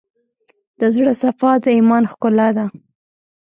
د زړه صفا، د ایمان ښکلا ده.